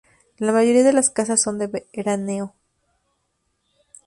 La mayoría de las casas son de veraneo.